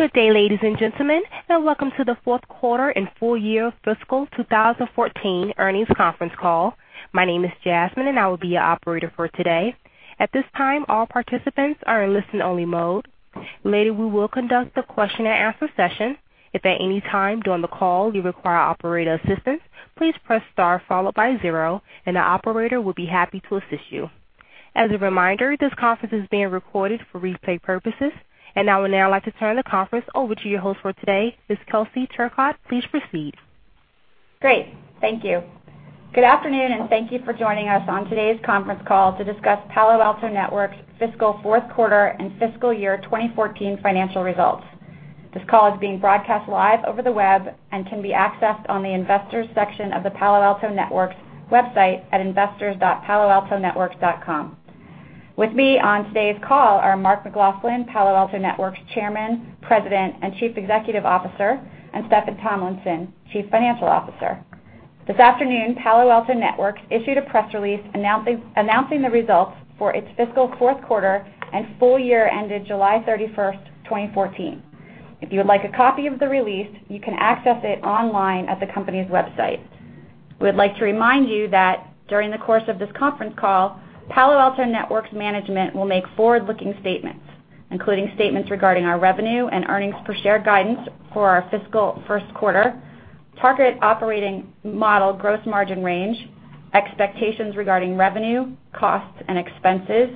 Good day, ladies and gentlemen, welcome to the fourth quarter and full year fiscal 2014 earnings conference call. My name is Jasmine and I will be your operator for today. At this time, all participants are in listen-only mode. Later, we will conduct a question and answer session. If at any time during the call you require operator assistance, please press star followed by zero, and the operator will be happy to assist you. As a reminder, this conference is being recorded for replay purposes. I would now like to turn the conference over to your host for today, Ms. Kelsey Turcotte. Please proceed. Great. Thank you. Good afternoon and thank you for joining us on today's conference call to discuss Palo Alto Networks' fiscal fourth quarter and FY 2014 financial results. This call is being broadcast live over the web and can be accessed on the investors section of the Palo Alto Networks website at investors.paloaltonetworks.com. With me on today's call are Mark McLaughlin, Palo Alto Networks Chairman, President, and Chief Executive Officer, and Steffan Tomlinson, Chief Financial Officer. This afternoon, Palo Alto Networks issued a press release announcing the results for its fiscal fourth quarter and full year ended July 31st, 2014. If you would like a copy of the release, you can access it online at the company's website. We would like to remind you that during the course of this conference call, Palo Alto Networks management will make forward-looking statements, including statements regarding our revenue and earnings per share guidance for our FY 1st quarter, target operating model gross margin range, expectations regarding revenue, costs and expenses,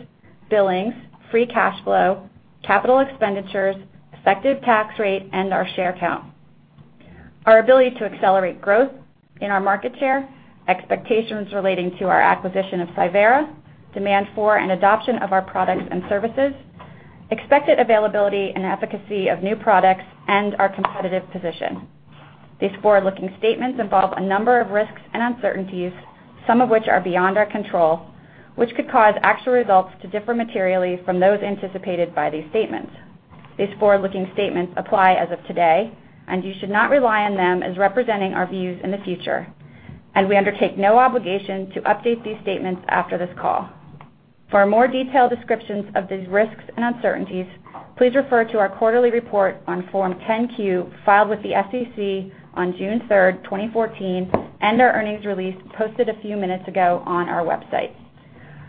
billings, free cash flow, capital expenditures, effective tax rate, and our share count. Our ability to accelerate growth in our market share, expectations relating to our acquisition of Cyvera, demand for and adoption of our products and services, expected availability and efficacy of new products, and our competitive position. These forward-looking statements involve a number of risks and uncertainties, some of which are beyond our control, which could cause actual results to differ materially from those anticipated by these statements. These forward-looking statements apply as of today, and you should not rely on them as representing our views in the future. We undertake no obligation to update these statements after this call. For more detailed descriptions of these risks and uncertainties, please refer to our quarterly report on Form 10-Q filed with the SEC on June 3rd, 2014, and our earnings release posted a few minutes ago on our website.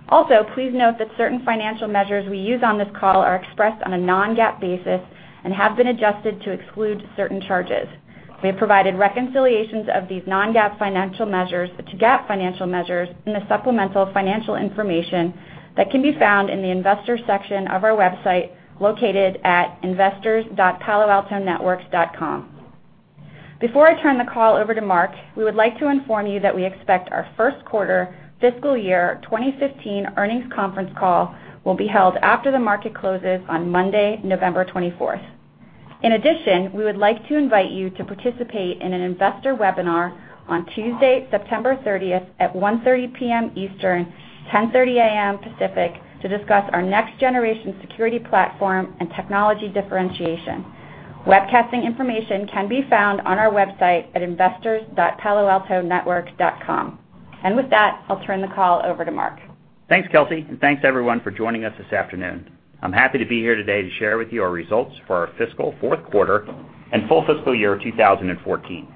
Also, please note that certain financial measures we use on this call are expressed on a non-GAAP basis and have been adjusted to exclude certain charges. We have provided reconciliations of these non-GAAP financial measures to GAAP financial measures in the supplemental financial information that can be found in the investors section of our website, located at investors.paloaltonetworks.com. Before I turn the call over to Mark, we would like to inform you that we expect our FY 1st quarter 2015 earnings conference call will be held after the market closes on Monday, November 24th. In addition, we would like to invite you to participate in an investor webinar on Tuesday, September 30th at 1:30 P.M. Eastern, 10:30 A.M. Pacific, to discuss our next generation security platform and technology differentiation. Webcasting information can be found on our website at investors.paloaltonetworks.com. With that, I'll turn the call over to Mark. Thanks, Kelsey, thanks everyone for joining us this afternoon. I'm happy to be here today to share with you our results for our fiscal fourth quarter and full fiscal year 2014.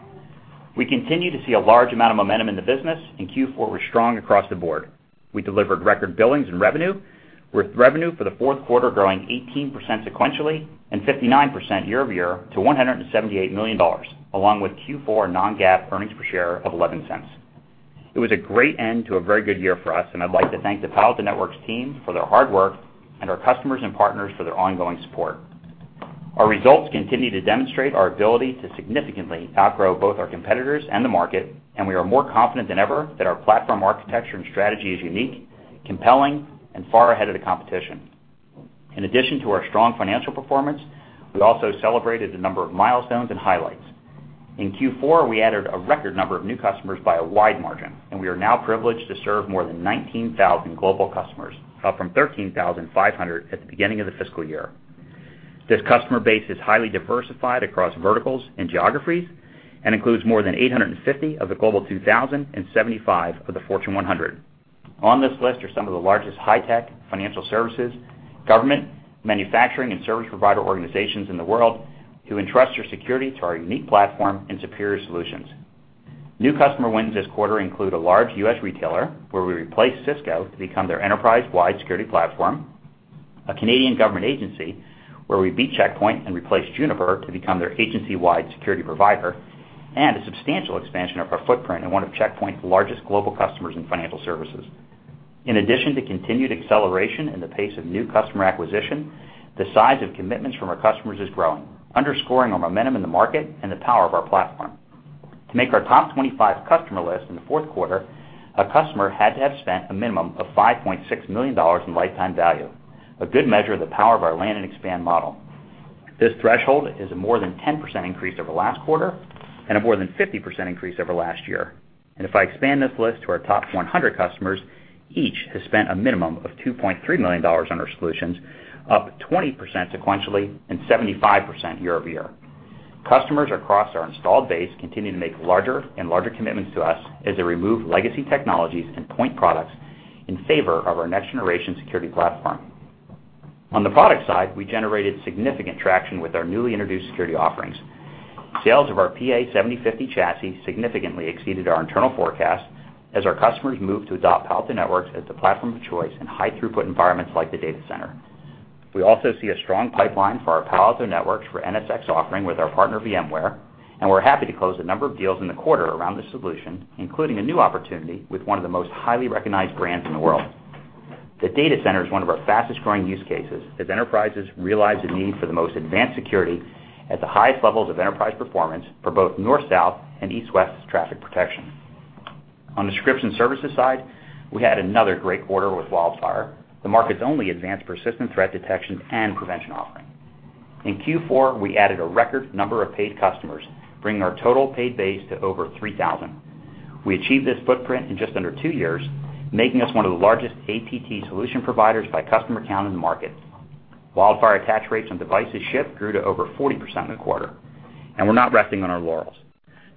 We continue to see a large amount of momentum in the business, Q4 was strong across the board. We delivered record billings and revenue, with revenue for the fourth quarter growing 18% sequentially and 59% year-over-year to $178 million, along with Q4 non-GAAP earnings per share of $0.11. It was a great end to a very good year for us, I'd like to thank the Palo Alto Networks team for their hard work and our customers and partners for their ongoing support. Our results continue to demonstrate our ability to significantly outgrow both our competitors and the market, and we are more confident than ever that our platform architecture and strategy is unique, compelling, and far ahead of the competition. In addition to our strong financial performance, we also celebrated a number of milestones and highlights. In Q4, we added a record number of new customers by a wide margin, and we are now privileged to serve more than 19,000 global customers, up from 13,500 at the beginning of the fiscal year. This customer base is highly diversified across verticals and geographies and includes more than 850 of the Global 2000 and 75 of the Fortune 100. On this list are some of the largest high tech, financial services, government, manufacturing, and service provider organizations in the world who entrust their security to our unique platform and superior solutions. New customer wins this quarter include a large U.S. retailer, where we replaced Cisco to become their enterprise-wide security platform, a Canadian government agency, where we beat Check Point and replaced Juniper to become their agency-wide security provider, and a substantial expansion of our footprint in one of Check Point's largest global customers in financial services. In addition to continued acceleration in the pace of new customer acquisition, the size of commitments from our customers is growing, underscoring our momentum in the market and the power of our platform. To make our top 25 customer list in the fourth quarter, a customer had to have spent a minimum of $5.6 million in lifetime value, a good measure of the power of our land and expand model. This threshold is a more than 10% increase over last quarter and a more than 50% increase over last year. If I expand this list to our top 100 customers, each has spent a minimum of $2.3 million on our solutions, up 20% sequentially and 75% year-over-year. Customers across our installed base continue to make larger and larger commitments to us as they remove legacy technologies and point products in favor of our next-generation security platform. On the product side, we generated significant traction with our newly introduced security offerings. Sales of our PA-7050 chassis significantly exceeded our internal forecast as our customers move to adopt Palo Alto Networks as the platform of choice in high-throughput environments like the data center. We also see a strong pipeline for our Palo Alto Networks for NSX offering with our partner, VMware, and we're happy to close a number of deals in the quarter around this solution, including a new opportunity with one of the most highly recognized brands in the world. The data center is one of our fastest-growing use cases as enterprises realize the need for the most advanced security at the highest levels of enterprise performance for both north-south and east-west traffic protection. On the scripts and services side, we had another great quarter with WildFire, the market's only advanced persistent threat detection and prevention offering. In Q4, we added a record number of paid customers, bringing our total paid base to over 3,000. We achieved this footprint in just under two years, making us one of the largest APT solution providers by customer count in the market. WildFire attach rates on devices shipped grew to over 40% in the quarter. We're not resting on our laurels.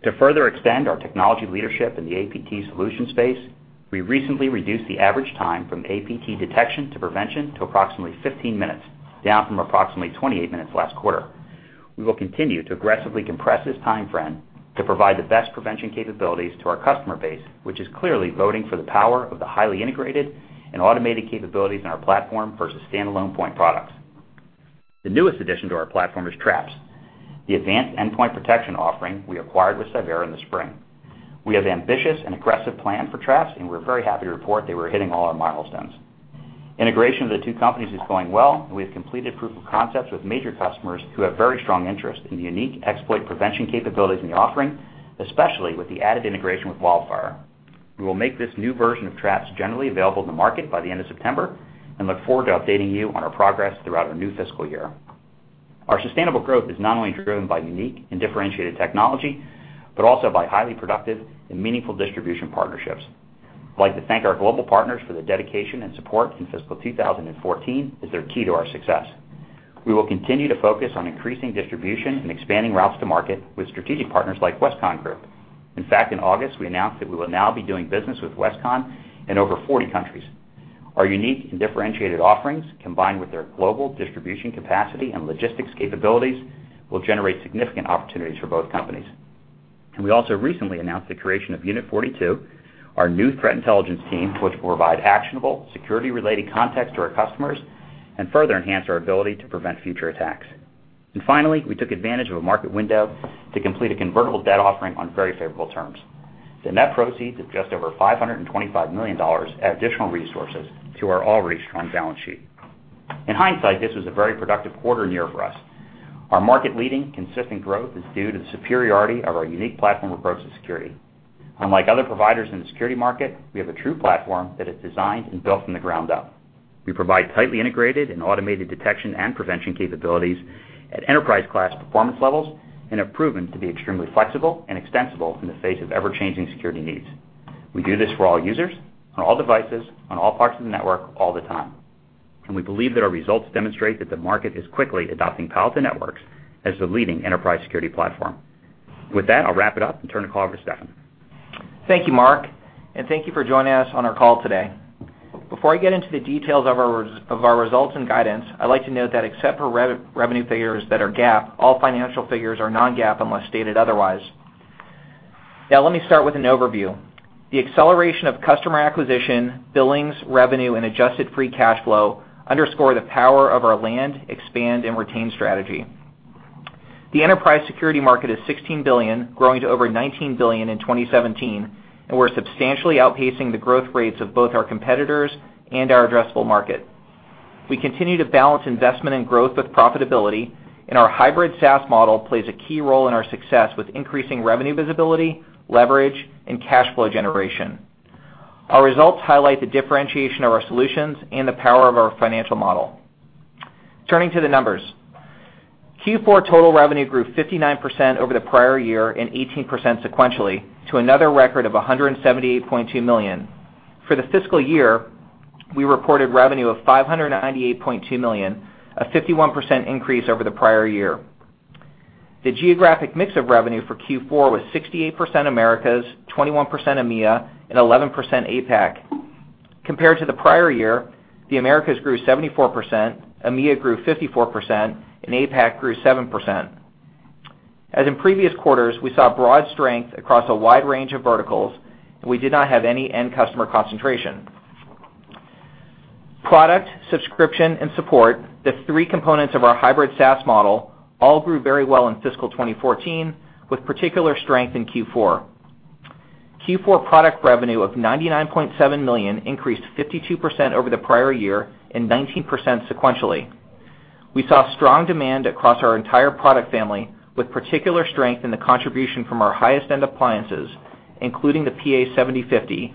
To further extend our technology leadership in the APT solution space, we recently reduced the average time from APT detection to prevention to approximately 15 minutes, down from approximately 28 minutes last quarter. We will continue to aggressively compress this time frame to provide the best prevention capabilities to our customer base, which is clearly voting for the power of the highly integrated and automated capabilities in our platform versus standalone point products. The newest addition to our platform is Traps, the advanced endpoint protection offering we acquired with Cyvera in the spring. We have ambitious and aggressive plan for Traps, and we're very happy to report that we're hitting all our milestones. Integration of the two companies is going well, and we have completed proof of concepts with major customers who have very strong interest in the unique exploit prevention capabilities in the offering, especially with the added integration with WildFire. We will make this new version of Traps generally available in the market by the end of September and look forward to updating you on our progress throughout our new fiscal year. Our sustainable growth is not only driven by unique and differentiated technology, but also by highly productive and meaningful distribution partnerships. I'd like to thank our global partners for their dedication and support in fiscal 2014, as they're key to our success. We will continue to focus on increasing distribution and expanding routes to market with strategic partners like Westcon Group. In fact, in August, we announced that we will now be doing business with Westcon in over 40 countries. Our unique and differentiated offerings, combined with their global distribution capacity and logistics capabilities, will generate significant opportunities for both companies. We also recently announced the creation of Unit 42, our new threat intelligence team, which will provide actionable security-related context to our customers and further enhance our ability to prevent future attacks. Finally, we took advantage of a market window to complete a convertible debt offering on very favorable terms. The net proceeds of just over $525 million add additional resources to our already strong balance sheet. In hindsight, this was a very productive quarter and year for us. Our market-leading, consistent growth is due to the superiority of our unique platform approach to security. Unlike other providers in the security market, we have a true platform that is designed and built from the ground up. We provide tightly integrated and automated detection and prevention capabilities at enterprise-class performance levels and have proven to be extremely flexible and extensible in the face of ever-changing security needs. We do this for all users, on all devices, on all parts of the network, all the time. We believe that our results demonstrate that the market is quickly adopting Palo Alto Networks as the leading enterprise security platform. With that, I'll wrap it up and turn the call over to Steffan. Thank you, Mark, and thank you for joining us on our call today. Before I get into the details of our results and guidance, I'd like to note that except for revenue figures that are GAAP, all financial figures are non-GAAP unless stated otherwise. Let me start with an overview. The acceleration of customer acquisition, billings, revenue, and adjusted free cash flow underscore the power of our land, expand, and retain strategy. The enterprise security market is $16 billion, growing to over $19 billion in 2017. We are substantially outpacing the growth rates of both our competitors and our addressable market. We continue to balance investment and growth with profitability. Our hybrid SaaS model plays a key role in our success with increasing revenue visibility, leverage, and cash flow generation. Our results highlight the differentiation of our solutions and the power of our financial model. Turning to the numbers. Q4 total revenue grew 59% over the prior year and 18% sequentially to another record of $178.2 million. For the fiscal year, we reported revenue of $598.2 million, a 51% increase over the prior year. The geographic mix of revenue for Q4 was 68% Americas, 21% EMEA, and 11% APAC. Compared to the prior year, the Americas grew 74%, EMEA grew 54%, and APAC grew 7%. As in previous quarters, we saw broad strength across a wide range of verticals. We did not have any end customer concentration. Product, subscription, and support, the three components of our hybrid SaaS model, all grew very well in fiscal 2014, with particular strength in Q4. Q4 product revenue of $99.7 million increased 52% over the prior year and 19% sequentially. We saw strong demand across our entire product family, with particular strength in the contribution from our highest-end appliances, including the PA-7050,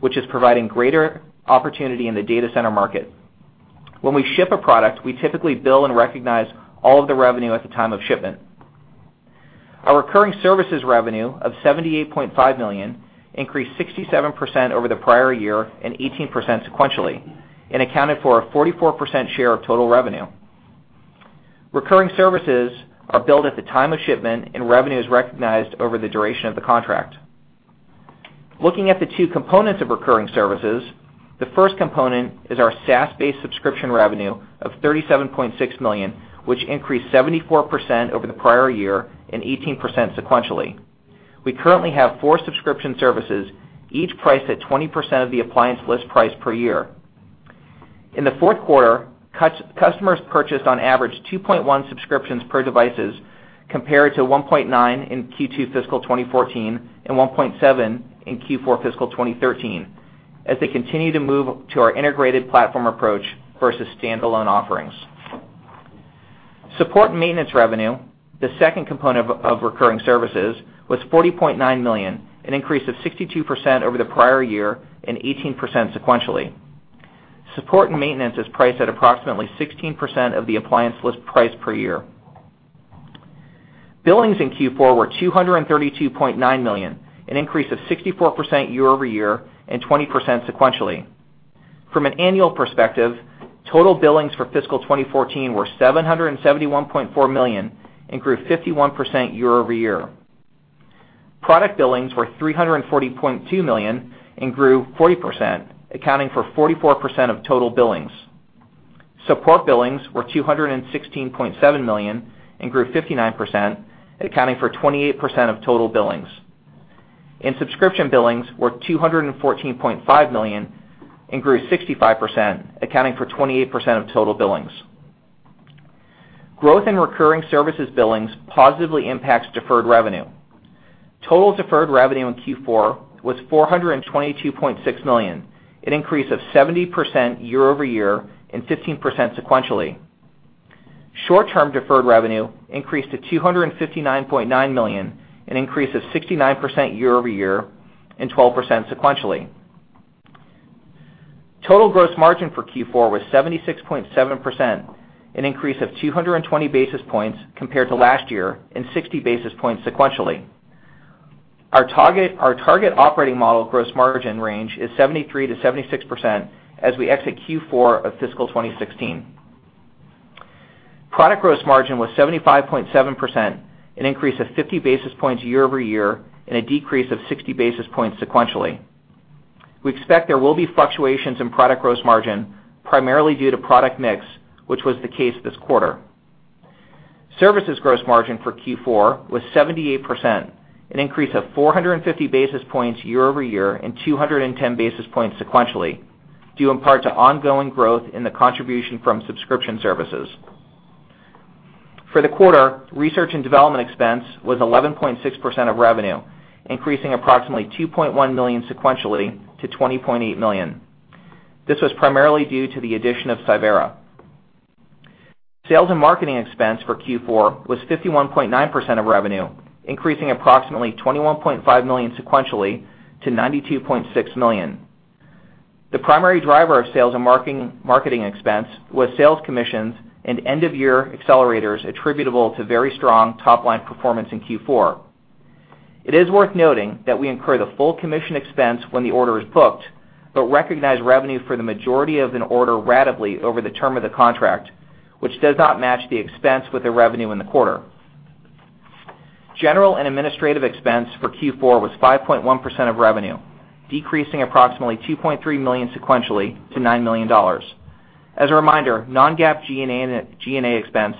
which is providing greater opportunity in the data center market. When we ship a product, we typically bill and recognize all of the revenue at the time of shipment. Our recurring services revenue of $78.5 million increased 67% over the prior year and 18% sequentially. Accounted for a 44% share of total revenue. Recurring services are billed at the time of shipment, and revenue is recognized over the duration of the contract. Looking at the two components of recurring services, the first component is our SaaS-based subscription revenue of $37.6 million, which increased 74% over the prior year and 18% sequentially. We currently have four subscription services, each priced at 20% of the appliance list price per year. In the fourth quarter, customers purchased on average 2.1 subscriptions per devices, compared to 1.9 in Q2 fiscal 2014 and 1.7 in Q4 fiscal 2013, as they continue to move to our integrated platform approach versus standalone offerings. Support and maintenance revenue, the second component of recurring services, was $40.9 million, an increase of 62% over the prior year and 18% sequentially. Support and maintenance is priced at approximately 16% of the appliance list price per year. Billings in Q4 were $232.9 million, an increase of 64% year-over-year and 20% sequentially. From an annual perspective, total billings for fiscal 2014 were $771.4 million and grew 51% year-over-year. Product billings were $340.2 million and grew 40%, accounting for 44% of total billings. Support billings were $216.7 million and grew 59%, accounting for 28% of total billings. Subscription billings were $214.5 million and grew 65%, accounting for 28% of total billings. Growth in recurring services billings positively impacts deferred revenue. Total deferred revenue in Q4 was $422.6 million, an increase of 70% year-over-year and 15% sequentially. Short-term deferred revenue increased to $259.9 million, an increase of 69% year-over-year and 12% sequentially. Total gross margin for Q4 was 76.7%, an increase of 220 basis points compared to last year and 60 basis points sequentially. Our target operating model gross margin range is 73%-76% as we exit Q4 of fiscal 2016. Product gross margin was 75.7%, an increase of 50 basis points year-over-year and a decrease of 60 basis points sequentially. We expect there will be fluctuations in product gross margin, primarily due to product mix, which was the case this quarter. Services gross margin for Q4 was 78%, an increase of 450 basis points year-over-year and 210 basis points sequentially, due in part to ongoing growth in the contribution from subscription services. For the quarter, research and development expense was 11.6% of revenue, increasing approximately $2.1 million sequentially to $20.8 million. This was primarily due to the addition of Cyvera. Sales and marketing expense for Q4 was 51.9% of revenue, increasing approximately $21.5 million sequentially to $92.6 million. The primary driver of sales and marketing expense was sales commissions and end-of-year accelerators attributable to very strong top-line performance in Q4. It is worth noting that we incur the full commission expense when the order is booked, but recognize revenue for the majority of an order ratably over the term of the contract, which does not match the expense with the revenue in the quarter. General and administrative expense for Q4 was 5.1% of revenue, decreasing approximately $2.3 million sequentially to $9 million. As a reminder, non-GAAP G&A expense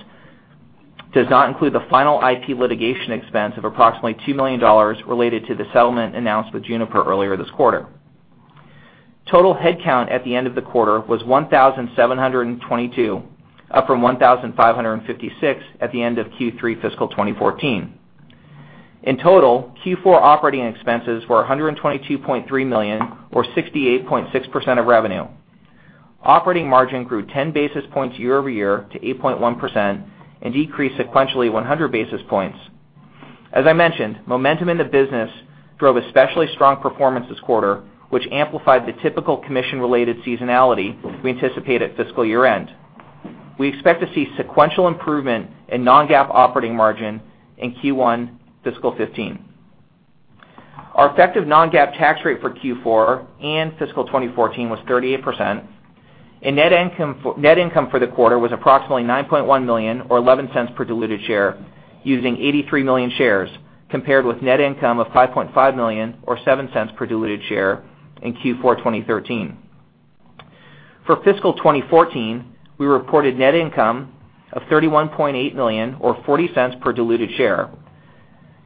does not include the final IP litigation expense of approximately $2 million related to the settlement announced with Juniper earlier this quarter. Total headcount at the end of the quarter was 1,722, up from 1,556 at the end of Q3 fiscal 2014. In total, Q4 operating expenses were $122.3 million or 68.6% of revenue. Operating margin grew 10 basis points year-over-year to 8.1% and decreased sequentially 100 basis points. As I mentioned, momentum in the business drove especially strong performance this quarter, which amplified the typical commission-related seasonality we anticipate at fiscal year-end. We expect to see sequential improvement in non-GAAP operating margin in Q1 fiscal 2015. Our effective non-GAAP tax rate for Q4 and fiscal 2014 was 38%, and net income for the quarter was approximately $9.1 million or $0.11 per diluted share using 83 million shares, compared with net income of $5.5 million or $0.07 per diluted share in Q4 2013. For fiscal 2014, we reported net income of $31.8 million or $0.40 per diluted share,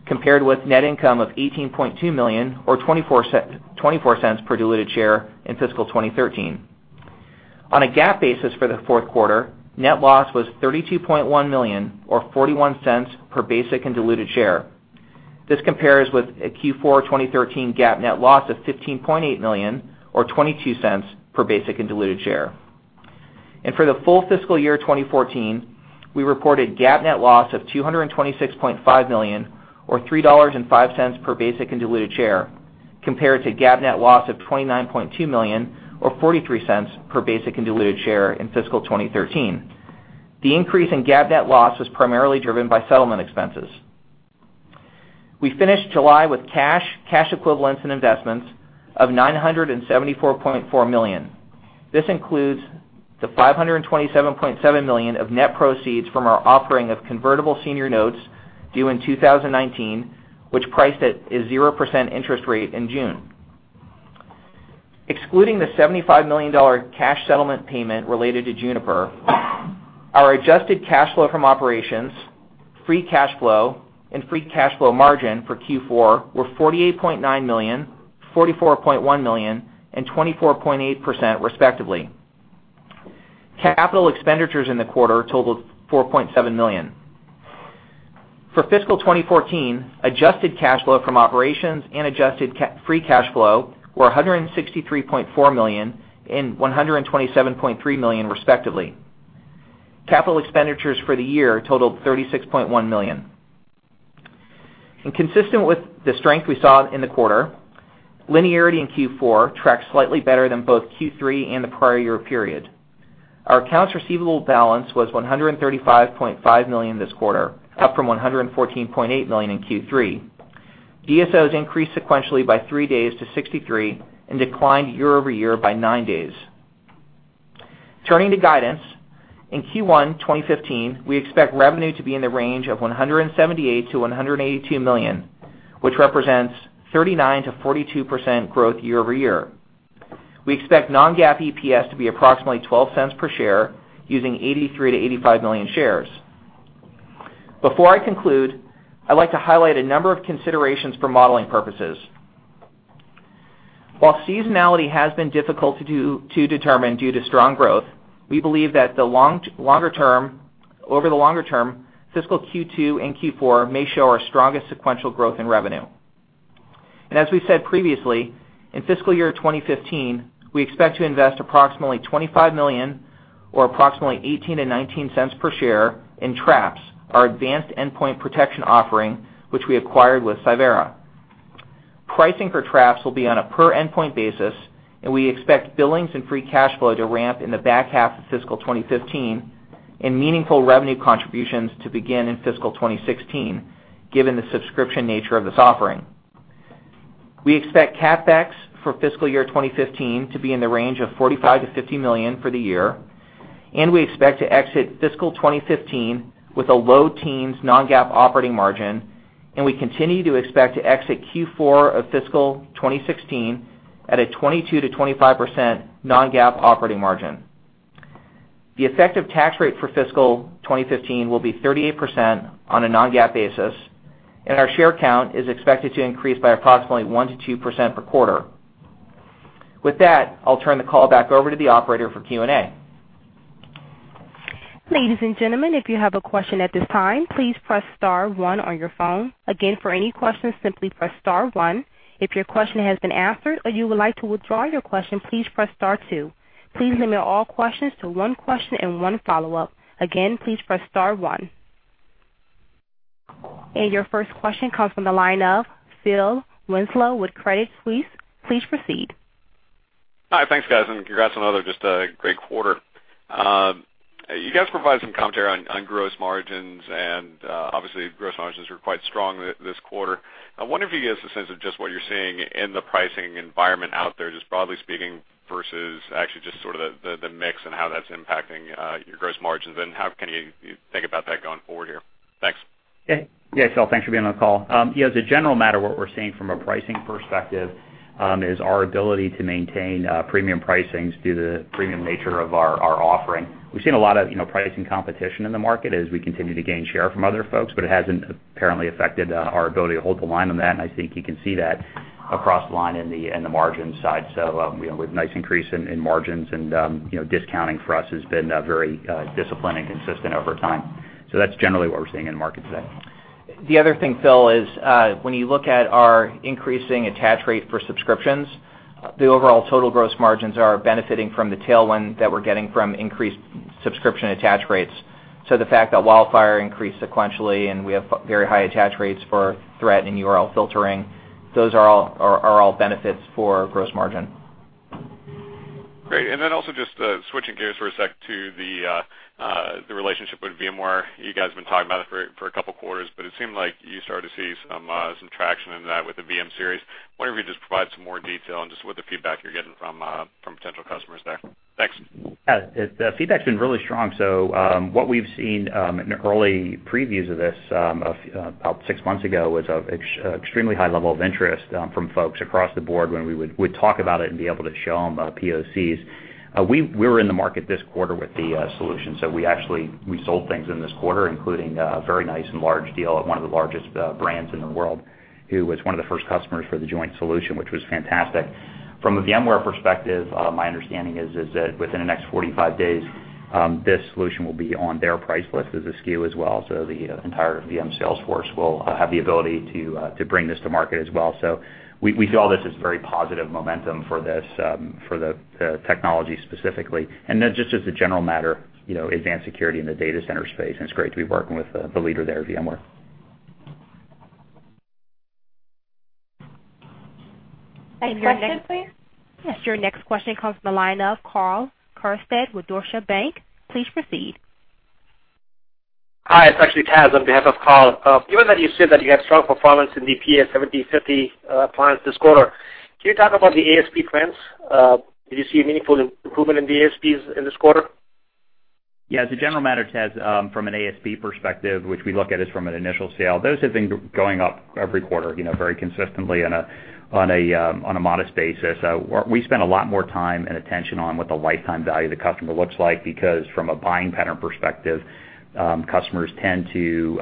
compared with net income of $18.2 million or $0.24 per diluted share in fiscal 2013. On a GAAP basis for the fourth quarter, net loss was $32.1 million or $0.41 per basic and diluted share. This compares with a Q4 2013 GAAP net loss of $15.8 million or $0.22 per basic and diluted share. For the full fiscal year 2014, we reported GAAP net loss of $226.5 million or $3.05 per basic and diluted share, compared to GAAP net loss of $29.2 million or $0.43 per basic and diluted share in fiscal 2013. The increase in GAAP net loss was primarily driven by settlement expenses. We finished July with cash equivalents, and investments of $974.4 million. This includes the $527.7 million of net proceeds from our offering of convertible senior notes due in 2019, which priced at a 0% interest rate in June. Excluding the $75 million cash settlement payment related to Juniper, our adjusted cash flow from operations, free cash flow, and free cash flow margin for Q4 were $48.9 million, $44.1 million, and 24.8%, respectively. Capital expenditures in the quarter totaled $4.7 million. For fiscal 2014, adjusted cash flow from operations and adjusted free cash flow were $163.4 million and $127.3 million, respectively. Capital expenditures for the year totaled $36.1 million. Consistent with the strength we saw in the quarter, linearity in Q4 tracked slightly better than both Q3 and the prior year period. Our accounts receivable balance was $135.5 million this quarter, up from $114.8 million in Q3. DSO has increased sequentially by three days to 63 and declined year-over-year by nine days. Turning to guidance. In Q1 2015, we expect revenue to be in the range of $178 million-$182 million, which represents 39%-42% growth year-over-year. We expect non-GAAP EPS to be approximately $0.12 per share, using 83 million-85 million shares. Before I conclude, I'd like to highlight a number of considerations for modeling purposes. While seasonality has been difficult to determine due to strong growth, we believe that over the longer term, fiscal Q2 and Q4 may show our strongest sequential growth in revenue. As we said previously, in fiscal year 2015, we expect to invest approximately $25 million, or approximately $0.18 to $0.19 per share in Traps, our advanced endpoint protection offering, which we acquired with Cyvera. Pricing for Traps will be on a per endpoint basis, and we expect billings and free cash flow to ramp in the back half of fiscal 2015, and meaningful revenue contributions to begin in fiscal 2016, given the subscription nature of this offering. We expect CapEx for fiscal year 2015 to be in the range of $45 million-$50 million for the year. We expect to exit fiscal 2015 with a low teens non-GAAP operating margin. We continue to expect to exit Q4 of fiscal 2016 at a 22%-25% non-GAAP operating margin. The effective tax rate for fiscal 2015 will be 38% on a non-GAAP basis. Our share count is expected to increase by approximately 1%-2% per quarter. With that, I'll turn the call back over to the operator for Q&A. Ladies and gentlemen, if you have a question at this time, please press *1 on your phone. Again, for any questions, simply press *1. If your question has been answered or you would like to withdraw your question, please press *2. Please limit all questions to one question and one follow-up. Again, please press *1. Your first question comes from the line of Philip Winslow with Credit Suisse. Please proceed. Hi, thanks guys, congrats on another just great quarter. You guys provided some commentary on gross margins. Obviously, gross margins were quite strong this quarter. I wonder if you can give us a sense of just what you're seeing in the pricing environment out there, just broadly speaking, versus actually just sort of the mix and how that's impacting your gross margins, and how can you think about that going forward here? Thanks. Phil, thanks for being on the call. As a general matter, what we're seeing from a pricing perspective is our ability to maintain premium pricings due to the premium nature of our offering. We've seen a lot of pricing competition in the market as we continue to gain share from other folks, but it hasn't apparently affected our ability to hold the line on that, and I think you can see that across the line in the margin side. We have a nice increase in margins. Discounting for us has been very disciplined and consistent over time. That's generally what we're seeing in the market today. The other thing, Phil, is when you look at our increasing attach rate for subscriptions, the overall total gross margins are benefiting from the tailwind that we're getting from increased subscription attach rates. The fact that WildFire increased sequentially, and we have very high attach rates for Threat and URL Filtering, those are all benefits for gross margin. Great. Also just switching gears for a sec to the relationship with VMware. You guys have been talking about it for a couple of quarters, but it seemed like you started to see some traction in that with the VM-Series. I wonder if you could just provide some more detail on just what the feedback you're getting from potential customers there. Thanks. The feedback's been really strong. What we've seen in early previews of this, about six months ago, was an extremely high level of interest from folks across the board when we would talk about it and be able to show them POCs. We're in the market this quarter with the solution. We actually sold things in this quarter, including a very nice and large deal at one of the largest brands in the world, who was one of the first customers for the joint solution, which was fantastic. From a VMware perspective, my understanding is that within the next 45 days, this solution will be on their price list as a SKU as well. The entire VM sales force will have the ability to bring this to market as well. We saw this as very positive momentum for the technology specifically. Just as a general matter, advanced security in the data center space, and it's great to be working with the leader there, VMware. Next question, please. Yes. Your next question comes from the line of Karl Keirstead with Deutsche Bank. Please proceed. Hi, it's actually Taz on behalf of Karl. Given that you said that you had strong performance in the PA-7050 appliance this quarter, can you talk about the ASP trends? Did you see a meaningful improvement in the ASPs in this quarter? Yeah. As a general matter, Taz, from an ASP perspective, which we look at is from an initial sale, those have been going up every quarter very consistently on a modest basis. We spend a lot more time and attention on what the Lifetime Value of the customer looks like, because from a buying pattern perspective, customers tend to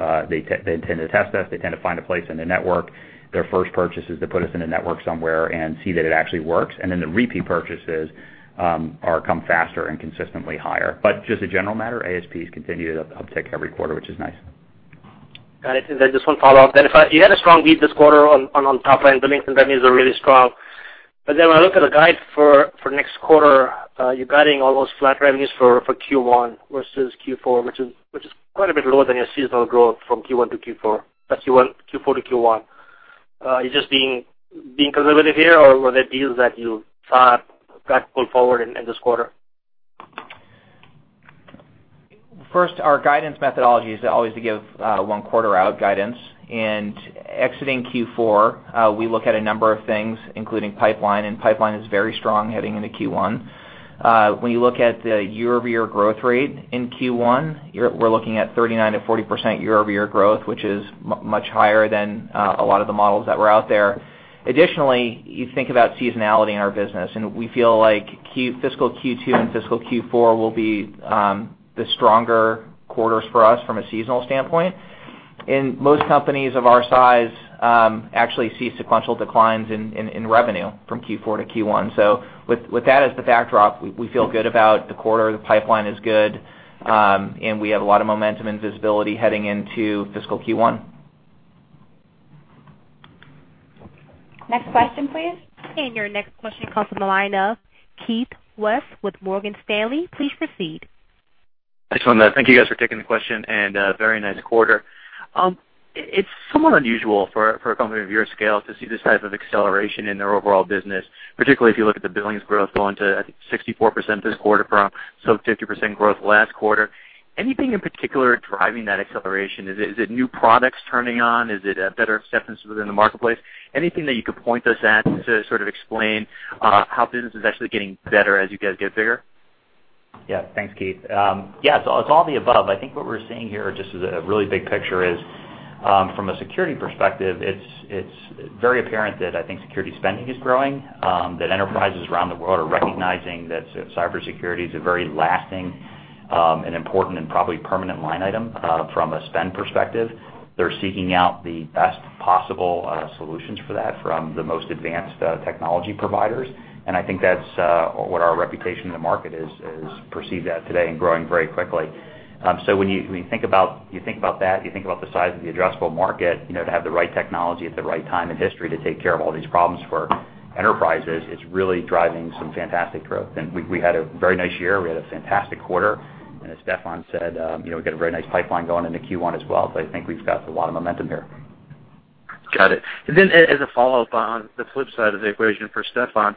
test us. They tend to find a place in the network. Their first purchase is to put us in a network somewhere and see that it actually works, and then the repeat purchases come faster and consistently higher. Just a general matter, ASPs continue to uptick every quarter, which is nice. Got it. Just one follow-up then. You had a strong beat this quarter on top line. Billings and revenues are really strong. When I look at the guide for next quarter, you're guiding almost flat revenues for Q1 versus Q4, which is quite a bit lower than your seasonal growth from Q4 to Q1. Are you just being conservative here, or were there deals that you thought got pulled forward in this quarter? First, our guidance methodology is always to give one quarter out guidance. Exiting Q4, we look at a number of things, including pipeline, and pipeline is very strong heading into Q1. When you look at the year-over-year growth rate in Q1, we're looking at 39%-40% year-over-year growth, which is much higher than a lot of the models that were out there. Additionally, you think about seasonality in our business, and we feel like fiscal Q2 and fiscal Q4 will be the stronger quarters for us from a seasonal standpoint. Most companies of our size actually see sequential declines in revenue from Q4 to Q1. With that as the backdrop, we feel good about the quarter. The pipeline is good. We have a lot of momentum and visibility heading into fiscal Q1. Next question, please. Your next question comes from the line of Keith Weiss with Morgan Stanley. Please proceed. Thanks. Thank you guys for taking the question and very nice quarter. It's somewhat unusual for a company of your scale to see this type of acceleration in their overall business, particularly if you look at the billings growth going to, I think, 64% this quarter from sub 50% growth last quarter. Anything in particular driving that acceleration? Is it new products turning on? Is it a better acceptance within the marketplace? Anything that you could point us at to sort of explain how business is actually getting better as you guys get bigger? Yeah. Thanks, Keith. Yeah, it's all the above. I think what we're seeing here, just as a really big picture is, from a security perspective, it's very apparent that I think security spending is growing, that enterprises around the world are recognizing that cybersecurity is a very lasting, and important, and probably permanent line item from a spend perspective. They're seeking out the best possible solutions for that from the most advanced technology providers. I think that's what our reputation in the market is perceived at today and growing very quickly. When you think about that, you think about the size of the addressable market, to have the right technology at the right time in history to take care of all these problems for enterprises, it's really driving some fantastic growth. We had a very nice year. We had a fantastic quarter. As Steffan said, we've got a very nice pipeline going into Q1 as well. I think we've got a lot of momentum here. Got it. Then as a follow-up on the flip side of the equation for Steffan.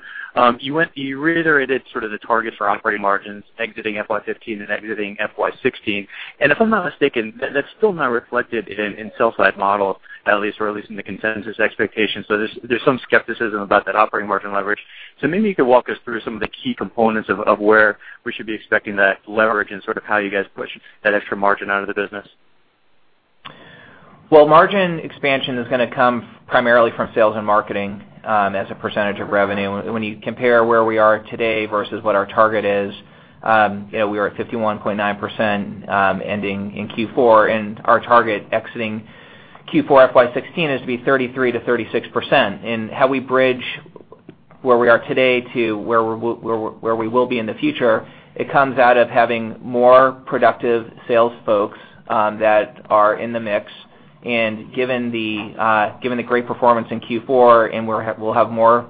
You reiterated sort of the target for operating margins exiting FY 2015 and exiting FY 2016. If I'm not mistaken, that's still not reflected in sell-side models, at least, or at least in the consensus expectations. There's some skepticism about that operating margin leverage. Maybe you could walk us through some of the key components of where we should be expecting that leverage and sort of how you guys push that extra margin out of the business. Well, margin expansion is going to come primarily from sales and marketing as a percentage of revenue. When you compare where we are today versus what our target is, we are at 51.9% ending in Q4, and our target exiting Q4 FY 2016 is to be 33%-36%. How we bridge where we are today to where we will be in the future, it comes out of having more productive sales folks that are in the mix. Given the great performance in Q4, we'll have more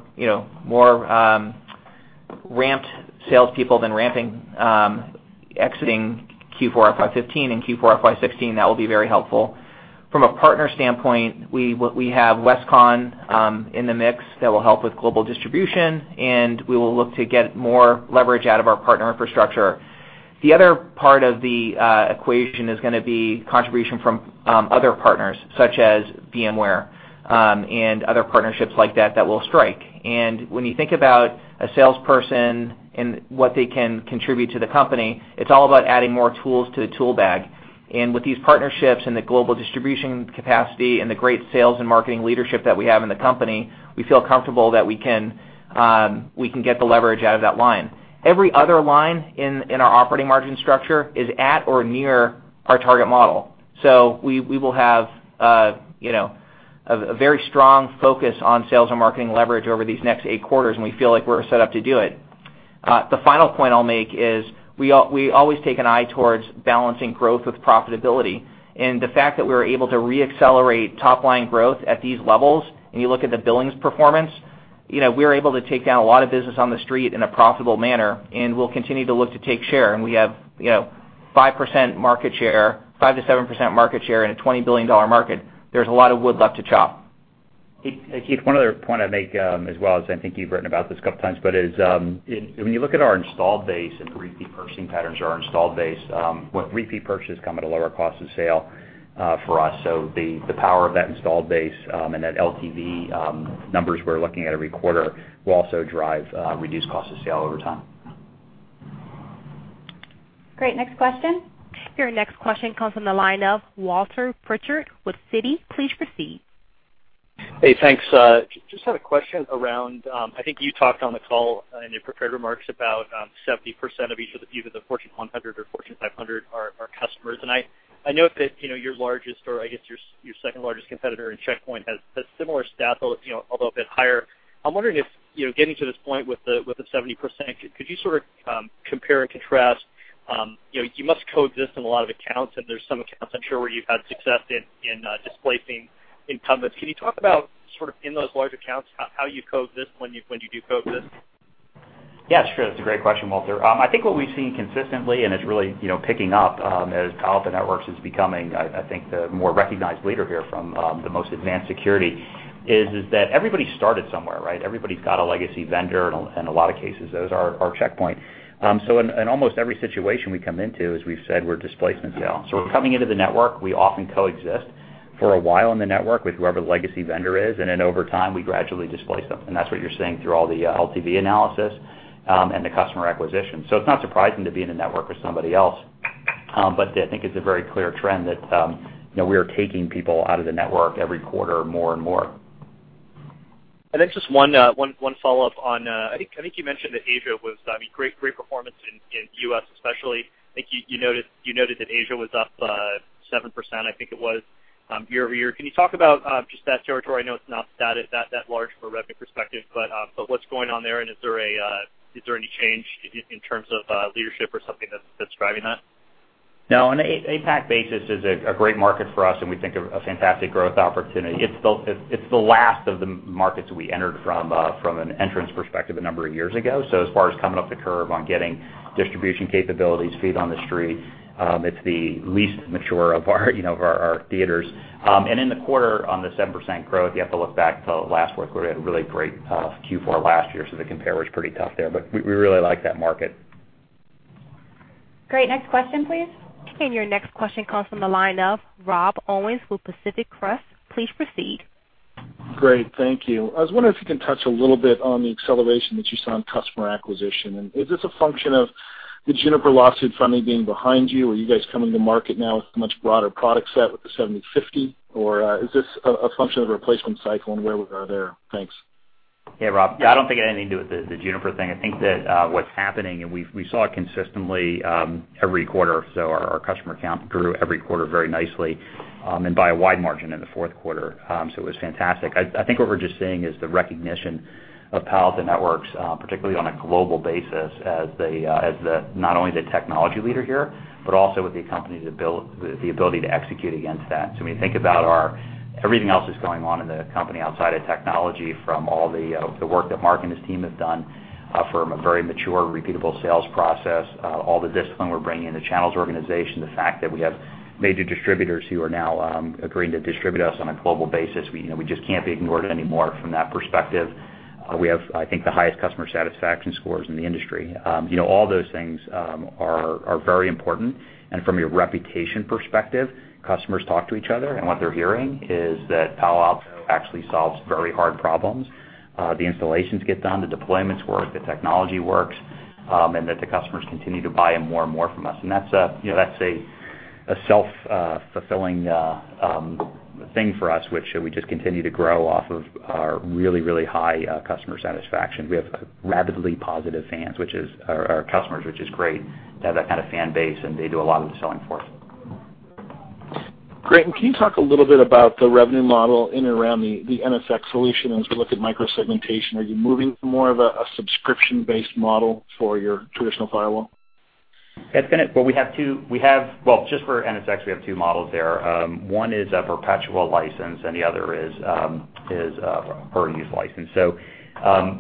ramped salespeople than exiting Q4 FY 2015 and Q4 FY 2016. That will be very helpful. From a partner standpoint, we have Westcon in the mix that will help with global distribution, and we will look to get more leverage out of our partner infrastructure. The other part of the equation is going to be contribution from other partners, such as VMware and other partnerships like that that we'll strike. When you think about a salesperson and what they can contribute to the company, it's all about adding more tools to the tool bag. With these partnerships and the global distribution capacity and the great sales and marketing leadership that we have in the company, we feel comfortable that we can get the leverage out of that line. Every other line in our operating margin structure is at or near our target model. We will have a very strong focus on sales and marketing leverage over these next eight quarters, and we feel like we're set up to do it. The final point I'll make is we always take an eye towards balancing growth with profitability. The fact that we were able to re-accelerate top-line growth at these levels, and you look at the billings performance, we were able to take down a lot of business on the street in a profitable manner, and we'll continue to look to take share. We have 5% market share, 5%-7% market share in a $20 billion market, there's a lot of wood left to chop. Keith, one other point I'd make as well is, I think you've written about this a couple of times, but when you look at our install base and repeat purchasing patterns or our install base, repeat purchases come at a lower cost of sale for us. The power of that installed base, and that LTV numbers we're looking at every quarter will also drive reduced cost of sale over time. Great. Next question. Your next question comes from the line of Walter Pritchard with Citi. Please proceed. Hey, thanks. Just had a question around, I think you talked on the call in your prepared remarks about 70% of each of the Fortune 100 or Fortune 500 are customers. I know that your largest or I guess your second-largest competitor in Check Point has similar stats, although a bit higher. I'm wondering if, getting to this point with the 70%, could you sort of compare and contrast? You must coexist in a lot of accounts, and there's some accounts I'm sure where you've had success in displacing incumbents. Can you talk about sort of in those large accounts, how you coexist when you do coexist? Yeah, sure. That's a great question, Walter. I think what we've seen consistently, and it's really picking up as Palo Alto Networks is becoming, I think, the more recognized leader here from the most advanced security, is that everybody started somewhere, right? Everybody's got a legacy vendor, in a lot of cases, those are our Check Point. In almost every situation we come into, as we've said, we're displacement sale. We're coming into the network, we often coexist for a while in the network with whoever the legacy vendor is, and then over time, we gradually displace them. That's what you're seeing through all the LTV analysis, and the customer acquisition. It's not surprising to be in a network with somebody else. I think it's a very clear trend that we are taking people out of the network every quarter more and more. Just one follow-up on, I think you mentioned that Asia was, I mean, great performance in U.S. especially. I think you noted that Asia was up 7%, I think it was, year-over-year. Can you talk about just that territory? I know it's not that large from a revenue perspective, but what's going on there, and is there any change in terms of leadership or something that's driving that? No, an APAC basis is a great market for us, and we think a fantastic growth opportunity. It's the last of the markets we entered from an entrance perspective a number of years ago. As far as coming up the curve on getting distribution capabilities, feet on the street, it's the least mature of our theaters. In the quarter, on the 7% growth, you have to look back to last quarter. We had a really great Q4 last year, so the compare was pretty tough there, but we really like that market. Great. Next question, please. Your next question comes from the line of Rob Owens with Pacific Crest. Please proceed. Great. Thank you. I was wondering if you can touch a little bit on the acceleration that you saw in customer acquisition. Is this a function of the Juniper lawsuit finally being behind you? Are you guys coming to market now with a much broader product set with the 7050? Or is this a function of the replacement cycle and where we are there? Thanks. Hey, Rob. Yeah, I don't think it had anything to do with the Juniper thing. I think that what's happening, and we saw it consistently every quarter. Our customer count grew every quarter very nicely, and by a wide margin in the fourth quarter. It was fantastic. I think what we're just seeing is the recognition of Palo Alto Networks, particularly on a global basis, as not only the technology leader here, but also with the ability to execute against that. When you think about everything else that's going on in the company outside of technology, from all the work that Mark and his team have done from a very mature, repeatable sales process, all the discipline we're bringing in the channels organization, the fact that we have major distributors who are now agreeing to distribute us on a global basis. We just can't be ignored anymore from that perspective. We have, I think, the highest customer satisfaction scores in the industry. All those things are very important. From a reputation perspective, customers talk to each other, what they're hearing is that Palo Alto actually solves very hard problems. The installations get done, the deployments work, the technology works, that the customers continue to buy more and more from us. That's a self-fulfilling thing for us, which we just continue to grow off of our really, really high customer satisfaction. We have rapidly positive fans, our customers, which is great to have that kind of fan base, and they do a lot of the selling for us. Great. Can you talk a little bit about the revenue model in and around the NSX solution as we look at micro-segmentation? Are you moving to more of a subscription-based model for your traditional firewall? Well, just for NSX, we have two models there. One is a perpetual license, and the other is a per-use license.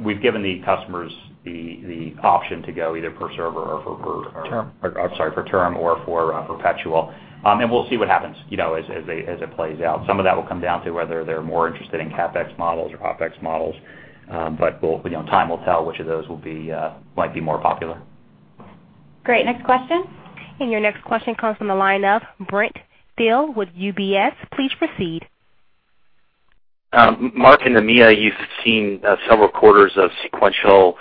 We've given the customers the option to go either per server or for term or for perpetual. We'll see what happens as it plays out. Some of that will come down to whether they're more interested in CapEx models or OpEx models. Time will tell which of those might be more popular. Great. Next question. Your next question comes from the line of Brent Thill with UBS. Please proceed. Mark, in EMEA, you've seen several quarters of sequential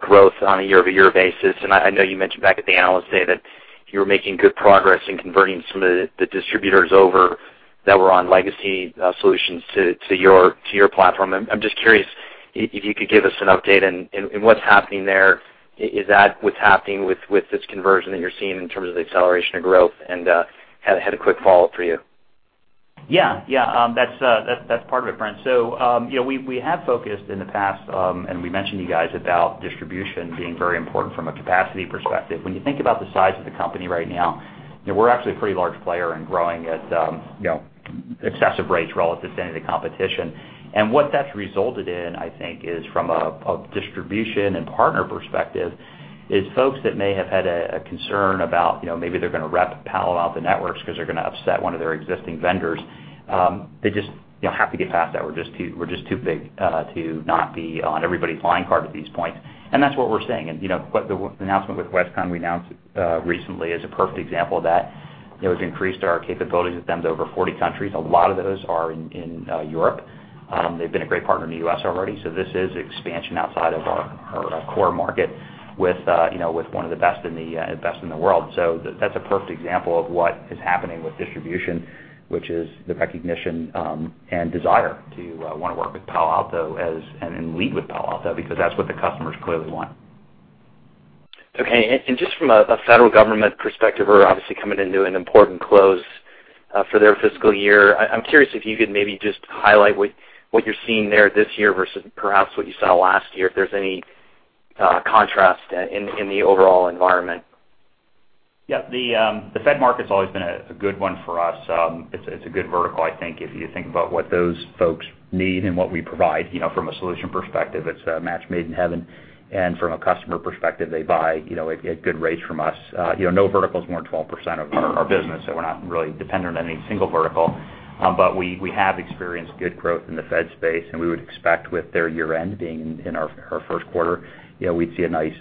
growth on a year-over-year basis. I know you mentioned back at the analyst day that you were making good progress in converting some of the distributors over that were on legacy solutions to your platform. I'm just curious if you could give us an update in what's happening there. Is that what's happening with this conversion that you're seeing in terms of the acceleration of growth? Had a quick follow-up for you. Yeah. That's part of it, Brent. We have focused in the past, and we mentioned to you guys about distribution being very important from a capacity perspective. When you think about the size of the company right now We're actually a pretty large player and growing at excessive rates relative to any of the competition. What that's resulted in, I think, is from a distribution and partner perspective, is folks that may have had a concern about maybe they're going to rep Palo Alto Networks because they're going to upset one of their existing vendors. They just have to get past that. We're just too big to not be on everybody's line card at this point. That's what we're seeing. The announcement with Westcon we announced recently is a perfect example of that. It has increased our capabilities with them to over 40 countries. A lot of those are in Europe. They've been a great partner in the U.S. already. This is expansion outside of our core market with one of the best in the world. That's a perfect example of what is happening with distribution, which is the recognition and desire to want to work with Palo Alto and lead with Palo Alto, because that's what the customers clearly want. Okay, just from a federal government perspective, who are obviously coming into an important close for their fiscal year, I'm curious if you could maybe just highlight what you're seeing there this year versus perhaps what you saw last year, if there's any contrast in the overall environment. Yeah. The Fed market's always been a good one for us. It's a good vertical, I think, if you think about what those folks need and what we provide, from a solution perspective, it's a match made in heaven, and from a customer perspective, they buy at good rates from us. No vertical is more than 12% of our business, so we're not really dependent on any single vertical. We have experienced good growth in the Fed space, and we would expect with their year-end being in our first quarter, we'd see a nice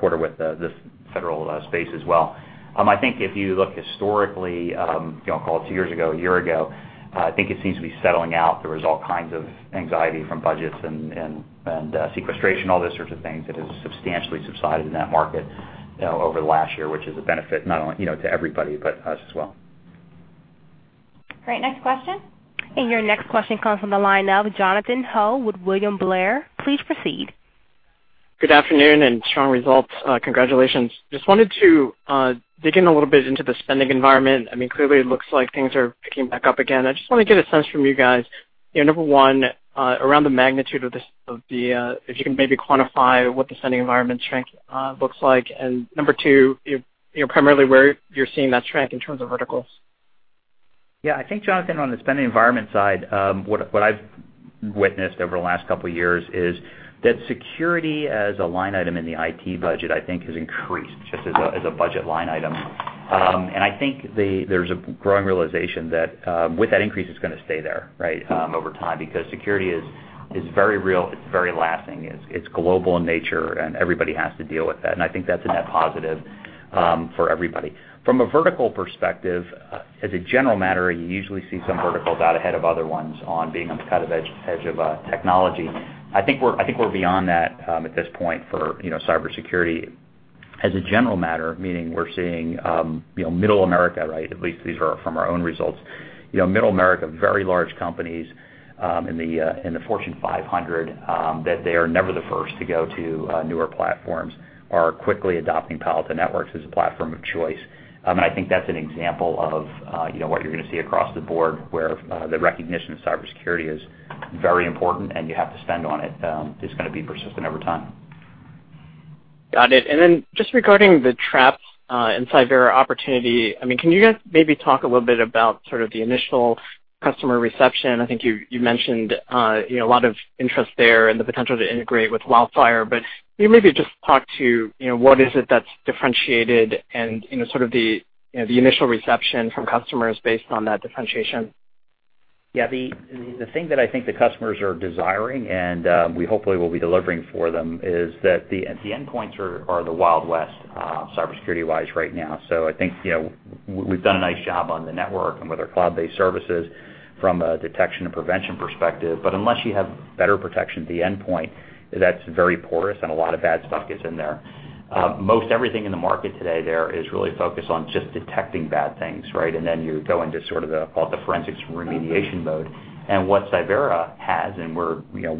quarter with the federal space as well. I think if you look historically, call it two years ago, a year ago, I think it seems to be settling out. There was all kinds of anxiety from budgets and sequestration, all those sorts of things that has substantially subsided in that market over the last year, which is a benefit to everybody, but us as well. Great. Next question. Your next question comes from the line of Jonathan Ho with William Blair. Please proceed. Good afternoon. Strong results. Congratulations. Just wanted to dig in a little bit into the spending environment. Clearly it looks like things are picking back up again. I just want to get a sense from you guys, number 1, around the magnitude of the. If you can maybe quantify what the spending environment strength looks like, and number 2, primarily where you're seeing that strength in terms of verticals. I think, Jonathan, on the spending environment side, what I've witnessed over the last couple of years is that security as a line item in the IT budget, I think, has increased just as a budget line item. I think there's a growing realization that with that increase, it's going to stay there over time, because security is very real, it's very lasting, it's global in nature, and everybody has to deal with that. I think that's a net positive for everybody. From a vertical perspective, as a general matter, you usually see some verticals out ahead of other ones on being on the cutting edge of technology. I think we're beyond that at this point for cybersecurity. As a general matter, meaning we're seeing Middle America, at least these are from our own results, Middle America, very large companies in the Fortune 500, that they are never the first to go to newer platforms, are quickly adopting Palo Alto Networks as a platform of choice. I think that's an example of what you're going to see across the board, where the recognition of cybersecurity is very important, and you have to spend on it, is going to be persistent over time. Got it. Then just regarding the Traps and Cyvera opportunity, can you guys maybe talk a little bit about sort of the initial customer reception? I think you mentioned a lot of interest there and the potential to integrate with WildFire, but can you maybe just talk to what is it that's differentiated and sort of the initial reception from customers based on that differentiation? Yeah. The thing that I think the customers are desiring, and we hopefully will be delivering for them, is that the endpoints are the Wild West, cybersecurity-wise right now. I think we've done a nice job on the network and with our cloud-based services from a detection and prevention perspective. Unless you have better protection at the endpoint, that's very porous and a lot of bad stuff gets in there. Most everything in the market today there is really focused on just detecting bad things. Then you go into sort of the, call it, the forensics remediation mode. What Cyvera has, and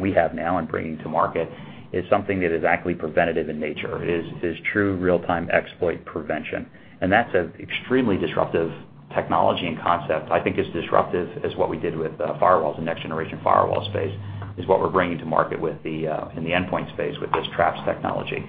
we have now and bringing to market, is something that is actually preventative in nature. It is true real-time exploit prevention. That's an extremely disruptive technology and concept. I think it's disruptive as what we did with firewalls and next-generation firewall space, is what we're bringing to market in the endpoint space with this Traps technology.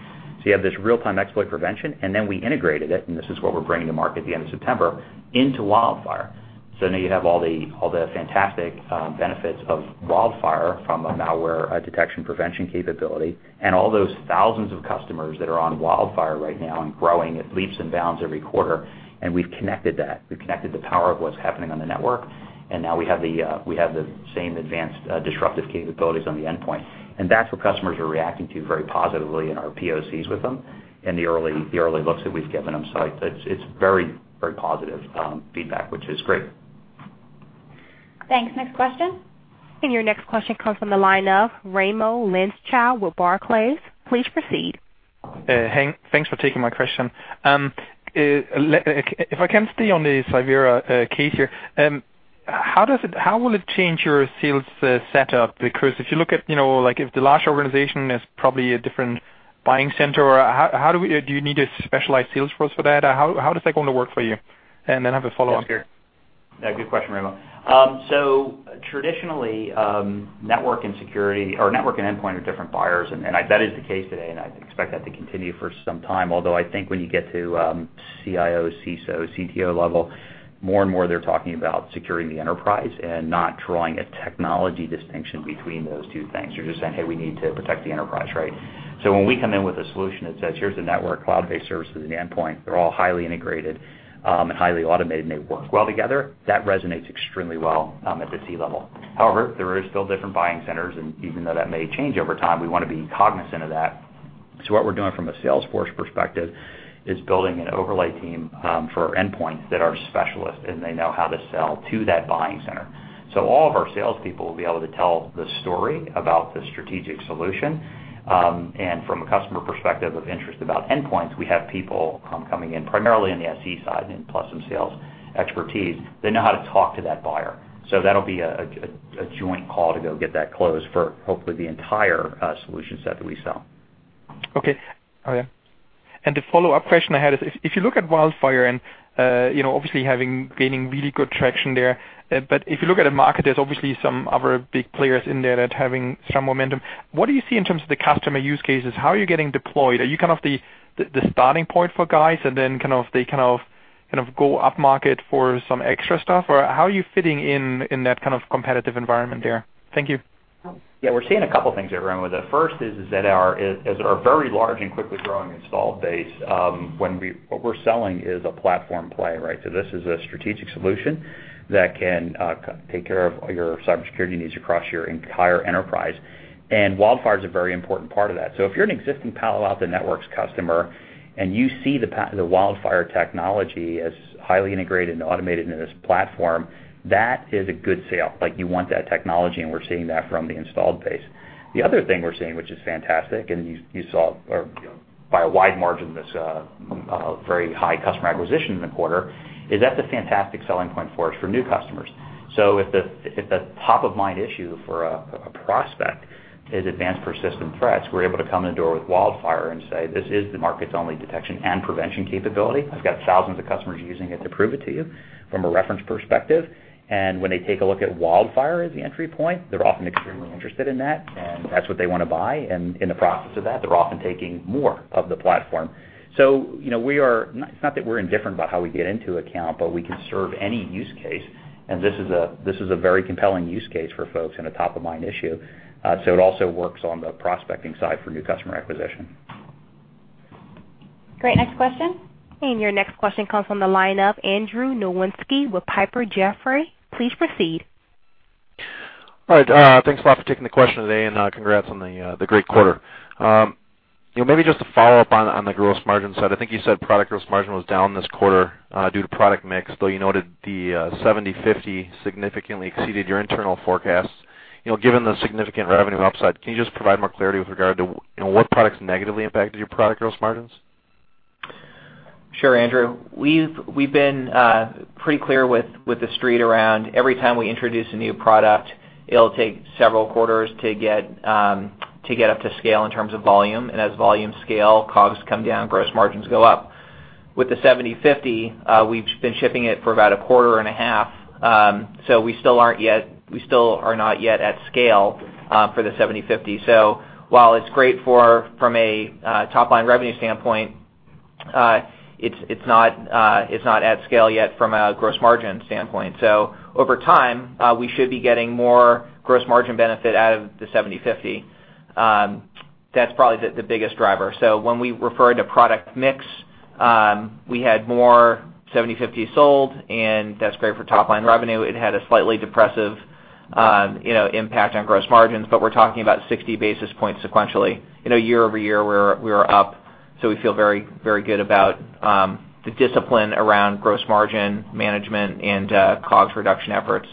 You have this real-time exploit prevention, and then we integrated it, and this is what we're bringing to market at the end of September, into WildFire. Now you have all the fantastic benefits of WildFire from a malware detection prevention capability and all those thousands of customers that are on WildFire right now and growing at leaps and bounds every quarter, and we've connected that. We've connected the power of what's happening on the network, and now we have the same advanced disruptive capabilities on the endpoint. That's what customers are reacting to very positively in our POCs with them in the early looks that we've given them. It's very positive feedback, which is great. Thanks. Next question. Your next question comes from the line of Raimo Lenschow with Barclays. Please proceed. Thanks for taking my question. If I can stay on the Cyvera case here, how will it change your sales setup? Because if the large organization is probably a different buying center, do you need a specialized sales force for that? How does that going to work for you? I have a follow-up here. Yeah, good question, Raimo. Traditionally, network and security or network and endpoint are different buyers, and that is the case today, and I expect that to continue for some time. Although I think when you get to CIO, CISO, CTO level, more and more, they're talking about securing the enterprise and not drawing a technology distinction between those two things. They're just saying, "Hey, we need to protect the enterprise," right? When we come in with a solution that says, "Here's the network, cloud-based services and endpoint, they're all highly integrated, and highly automated, and they work well together," that resonates extremely well at the C-level. However, there is still different buying centers, and even though that may change over time, we want to be cognizant of that. What we're doing from a sales force perspective is building an overlay team for our endpoints that are specialists, and they know how to sell to that buying center. All of our salespeople will be able to tell the story about the strategic solution. From a customer perspective of interest about endpoints, we have people coming in primarily on the SE side and plus some sales expertise. They know how to talk to that buyer. That'll be a joint call to go get that closed for hopefully the entire solution set that we sell. Okay. Oh, yeah. The follow-up question I had is, if you look at WildFire and obviously gaining really good traction there, but if you look at the market, there's obviously some other big players in there that are having some momentum. What do you see in terms of the customer use cases? How are you getting deployed? Are you the starting point for guys and then they go up market for some extra stuff? How are you fitting in that kind of competitive environment there? Thank you. We're seeing a couple things there, Raimo. The first is that as our very large and quickly growing installed base, what we're selling is a platform play, right? This is a strategic solution that can take care of all your cybersecurity needs across your entire enterprise, and WildFire is a very important part of that. If you're an existing Palo Alto Networks customer and you see the WildFire technology as highly integrated and automated into this platform, that is a good sale. You want that technology, and we're seeing that from the installed base. The other thing we're seeing, which is fantastic, and you saw by a wide margin, this very high customer acquisition in the quarter, is that's a fantastic selling point for us for new customers. If the top-of-mind issue for a prospect is advanced persistent threats, we're able to come in the door with WildFire and say, "This is the market's only detection and prevention capability. I've got thousands of customers using it to prove it to you from a reference perspective." When they take a look at WildFire as the entry point, they're often extremely interested in that, and that's what they want to buy. In the process of that, they're often taking more of the platform. It's not that we're indifferent about how we get into an account, but we can serve any use case, and this is a very compelling use case for folks and a top-of-mind issue. It also works on the prospecting side for new customer acquisition. Great. Next question. Your next question comes from the line of Andy Nowinski with Piper Jaffray. Please proceed. All right. Thanks a lot for taking the question today, and congrats on the great quarter. Just to follow up on the gross margin side. I think you said product gross margin was down this quarter due to product mix, though you noted the PA-7050 significantly exceeded your internal forecast. Given the significant revenue upside, can you just provide more clarity with regard to what products negatively impacted your product gross margins? Sure, Andrew. We've been pretty clear with the Street around every time we introduce a new product, it'll take several quarters to get up to scale in terms of volume. As volume scale, costs come down, gross margins go up. With the PA-7050, we've been shipping it for about a quarter and a half. We still are not yet at scale for the PA-7050. While it's great from a top-line revenue standpoint, it's not at scale yet from a gross margin standpoint. Over time, we should be getting more gross margin benefit out of the PA-7050. That's probably the biggest driver. When we refer to product mix, we had more PA-7050 sold, and that's great for top-line revenue. It had a slightly depressive impact on gross margins, but we're talking about 60 basis points sequentially. Year-over-year, we were up. We feel very good about the discipline around gross margin management and cost reduction efforts.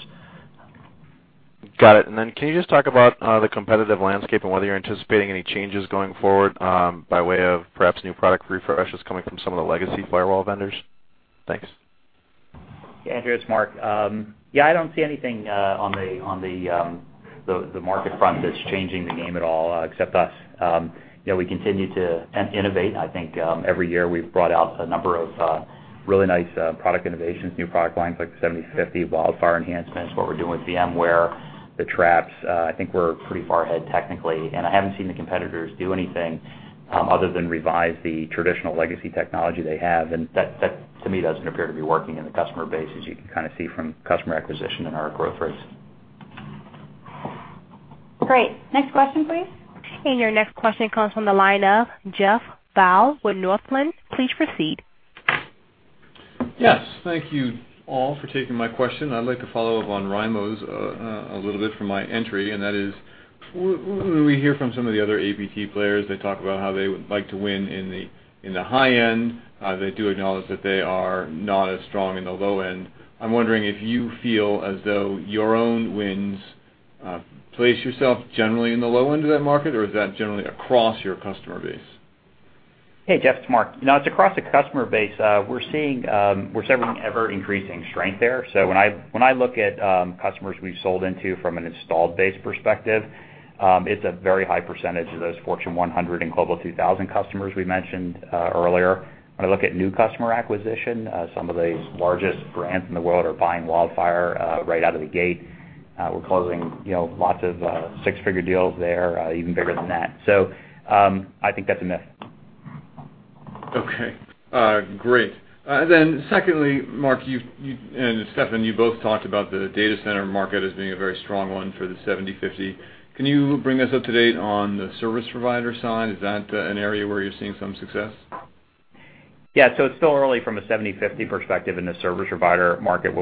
Got it. Can you just talk about the competitive landscape and whether you're anticipating any changes going forward by way of perhaps new product refreshes coming from some of the legacy firewall vendors? Thanks. Yeah, Andrew, it's Mark. Yeah, I don't see anything on the market front that's changing the game at all except us. We continue to innovate. I think every year we've brought out a number of really nice product innovations, new product lines like the 7050, WildFire enhancements, what we're doing with VMware, the Traps. I think we're pretty far ahead technically, and I haven't seen the competitors do anything other than revise the traditional legacy technology they have. That, to me, doesn't appear to be working in the customer base, as you can see from customer acquisition and our growth rates. Great. Next question, please. Your next question comes from the line of Jeff Kvaal with Northland. Please proceed. Yes. Thank you all for taking my question. I'd like to follow up on Raimo's a little bit from my entry, that is, when we hear from some of the other APT players, they talk about how they would like to win in the high end. They do acknowledge that they are not as strong in the low end. I'm wondering if you feel as though your own wins place yourself generally in the low end of that market, or is that generally across your customer base? Hey, Jeff, it's Mark. It's across the customer base. We're seeing ever-increasing strength there. When I look at customers we've sold into from an installed base perspective, it's a very high percentage of those Fortune 100 and Global 2000 customers we mentioned earlier. When I look at new customer acquisition, some of the largest brands in the world are buying WildFire right out of the gate. We're closing lots of six-figure deals there, even bigger than that. I think that's a myth. Okay, great. Secondly, Mark, you and Steffan, you both talked about the data center market as being a very strong one for the 7050. Can you bring us up to date on the service provider side? Is that an area where you're seeing some success? Yeah. It's still early from a 7050 perspective in the service provider market,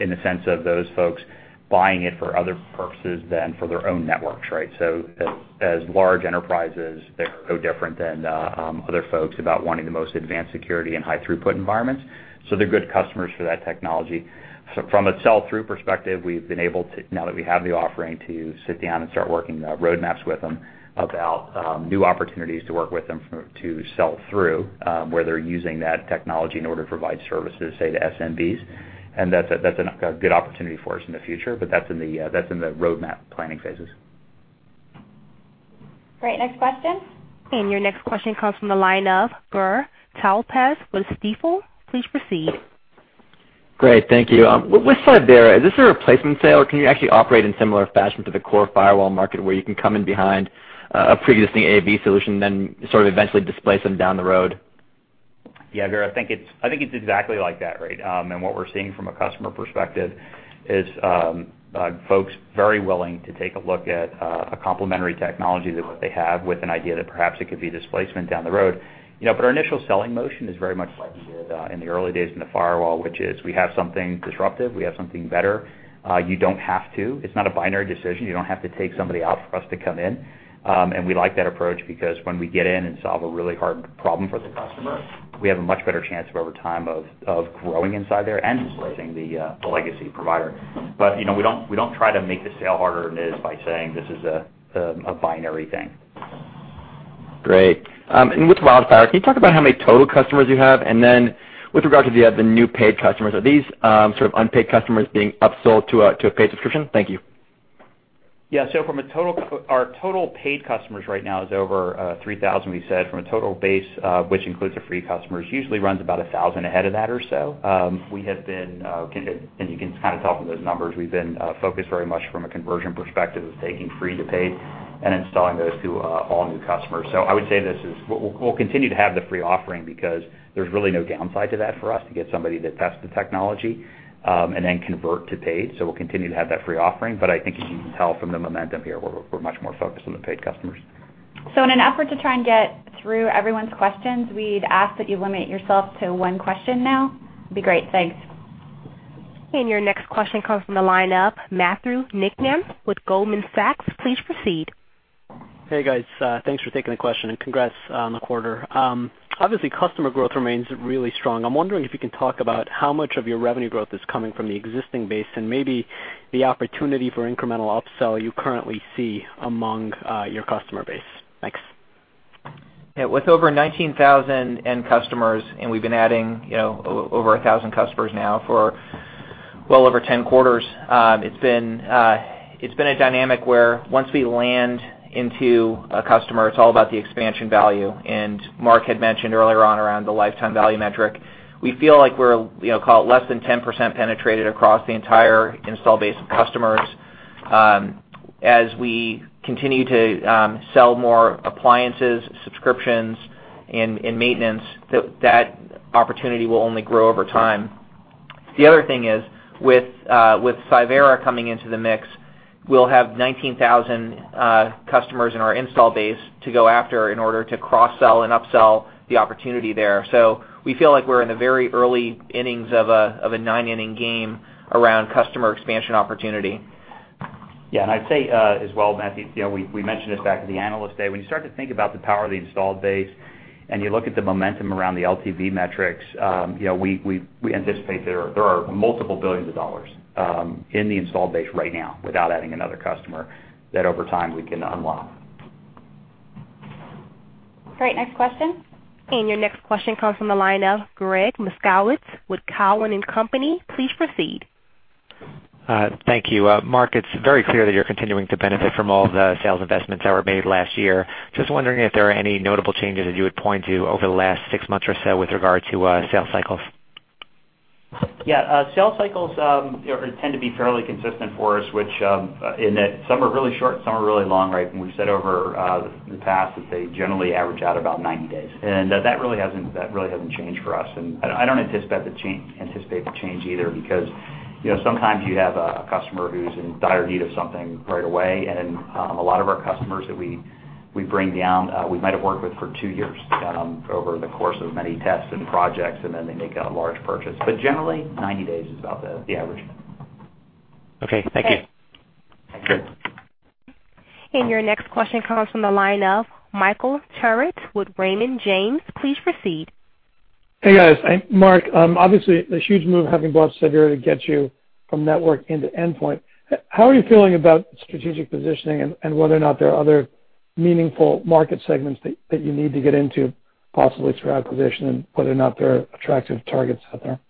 in the sense of those folks buying it for other purposes than for their own networks, right? As large enterprises, they're no different than other folks about wanting the most advanced security and high throughput environments. They're good customers for that technology. From a sell-through perspective, we've been able to, now that we have the offering, to sit down and start working roadmaps with them about new opportunities to work with them to sell through, where they're using that technology in order to provide services, say, to SMBs. That's a good opportunity for us in the future, but that's in the roadmap planning phases. Great. Next question. Your next question comes from the line of Gur Talpaz with Stifel. Please proceed. Great. Thank you. With Cyvera, is this a replacement sale or can you actually operate in similar fashion to the core firewall market, where you can come in behind a previous AV solution, then sort of eventually displace them down the road? Yeah, Gur, I think it's exactly like that, right? What we're seeing from a customer perspective is folks very willing to take a look at a complementary technology than what they have with an idea that perhaps it could be displacement down the road. Our initial selling motion is very much like we did in the early days in the firewall, which is we have something disruptive. We have something better. It's not a binary decision. You don't have to take somebody out for us to come in. We like that approach because when we get in and solve a really hard problem for the customer, we have a much better chance over time of growing inside there and displacing the legacy provider. We don't try to make the sale harder than it is by saying this is a binary thing. Great. With WildFire, can you talk about how many total customers you have? With regard to the new paid customers, are these sort of unpaid customers being upsold to a paid subscription? Thank you. Our total paid customers right now is over 3,000, we said, from a total base, which includes the free customers. Usually runs about 1,000 ahead of that or so. You can kind of tell from those numbers, we've been focused very much from a conversion perspective of taking free to paid and installing those to all new customers. I would say we'll continue to have the free offering because there's really no downside to that for us to get somebody to test the technology, and then convert to paid. We'll continue to have that free offering. I think, as you can tell from the momentum here, we're much more focused on the paid customers. In an effort to try and get through everyone's questions, we'd ask that you limit yourself to one question now. That'd be great. Thanks. Your next question comes from the lineup, Matthew Niknam with Goldman Sachs. Please proceed. Hey, guys. Thanks for taking the question and congrats on the quarter. Obviously, customer growth remains really strong. I'm wondering if you can talk about how much of your revenue growth is coming from the existing base and maybe the opportunity for incremental upsell you currently see among your customer base. Thanks. Yeah. With over 19,000 end customers, we've been adding over 1,000 customers now for well over 10 quarters, it's been a dynamic where once we land into a customer, it's all about the expansion value. Mark had mentioned earlier on around the lifetime value metric. We feel like we're, call it, less than 10% penetrated across the entire install base of customers. As we continue to sell more appliances, subscriptions, and maintenance, that opportunity will only grow over time. The other thing is, with Cyvera coming into the mix, we'll have 19,000 customers in our install base to go after in order to cross-sell and upsell the opportunity there. We feel like we're in the very early innings of a nine-inning game around customer expansion opportunity. Yeah. I'd say as well, Matthew, we mentioned this back at the Analyst Day. When you start to think about the power of the installed base and you look at the momentum around the LTV metrics, we anticipate there are multiple billions of dollars in the install base right now without adding another customer that over time we can unlock. Great. Next question. Your next question comes from the line of Gregg Moskowitz with Cowen and Company. Please proceed. Thank you. Mark, it's very clear that you're continuing to benefit from all the sales investments that were made last year. Just wondering if there are any notable changes that you would point to over the last six months or so with regard to sales cycles. Sales cycles tend to be fairly consistent for us, in that some are really short, some are really long, right? We've said over the past that they generally average out about 90 days. That really hasn't changed for us, and I don't anticipate it to change either, because sometimes you have a customer who's in dire need of something right away, and a lot of our customers that we bring down, we might have worked with for two years to get them over the course of many tests and projects, and then they make a large purchase. Generally, 90 days is about the average. Thank you. Sure. Your next question comes from the line of Michael Turits with Raymond James. Please proceed. Hey, guys. Mark, obviously, a huge move having bought Cyvera to get you from network into endpoint. How are you feeling about strategic positioning and whether or not there are other meaningful market segments that you need to get into possibly through acquisition, and whether or not there are attractive targets out there?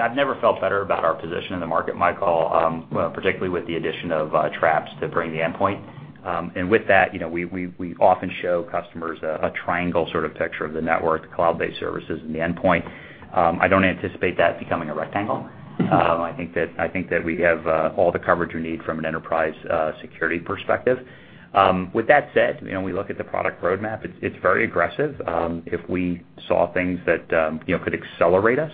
I've never felt better about our position in the market, Michael, particularly with the addition of Traps to bring the endpoint. With that, we often show customers a triangle sort of picture of the network, the cloud-based services, and the endpoint. I don't anticipate that becoming a rectangle. I think that we have all the coverage we need from an enterprise security perspective. With that said, we look at the product roadmap, it's very aggressive. If we saw things that could accelerate us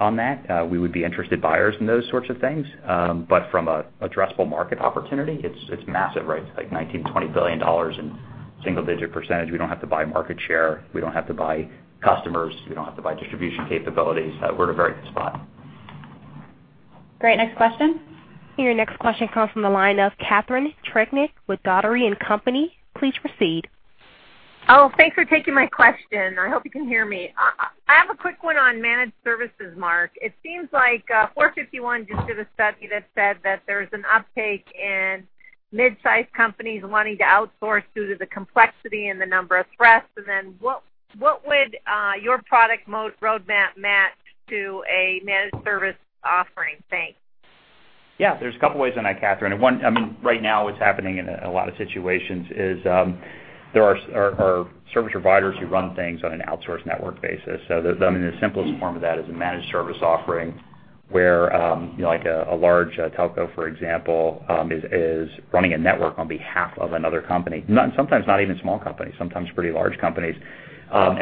on that, we would be interested buyers in those sorts of things. From an addressable market opportunity, it's massive, right? It's like $19 billion, $20 billion in single-digit percentage. We don't have to buy market share. We don't have to buy customers. We don't have to buy distribution capabilities. We're in a very good spot. Great. Next question. Your next question comes from the line of Catharine Trebnick with Dougherty & Company. Please proceed. Thanks for taking my question. I hope you can hear me. I have a quick one on managed services, Mark. It seems like Forrester just did a study that said that there's an uptake in mid-size companies wanting to outsource due to the complexity and the number of threats. Then what would your product roadmap map to a managed service offering? Thanks. There's a couple ways on that, Catharine. One, right now what's happening in a lot of situations is there are service providers who run things on an outsourced network basis. I mean, the simplest form of that is a managed service offering where a large telco, for example, is running a network on behalf of another company. Sometimes not even small companies, sometimes pretty large companies.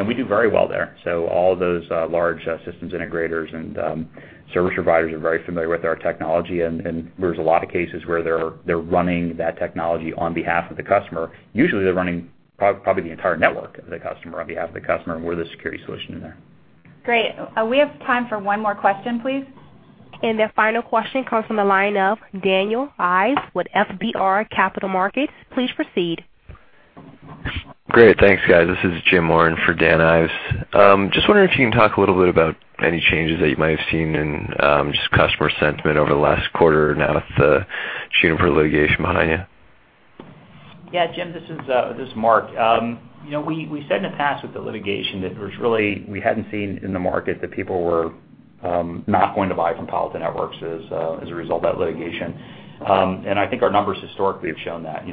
We do very well there. All of those large systems integrators and service providers are very familiar with our technology, and there's a lot of cases where they're running that technology on behalf of the customer. Usually, they're running probably the entire network of the customer on behalf of the customer. We're the security solution in there. Great. We have time for one more question, please. The final question comes from the line of Daniel Ives with FBR Capital Markets. Please proceed. Great. Thanks, guys. This is Jim Warren for Dan Ives. Just wondering if you can talk a little bit about any changes that you might have seen in just customer sentiment over the last quarter now with the Juniper litigation behind you. Yeah. Jim, this is Mark. We said in the past with the litigation that we hadn't seen in the market that people were not going to buy from Palo Alto Networks as a result of that litigation. I think our numbers historically have shown that.